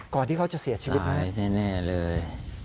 ก่อนที่เขาจะเสียชีวิตเลยนะครับตายแน่เลย